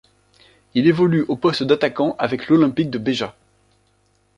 Il évolue au poste d'attaquant avec l'Olympique de Béja.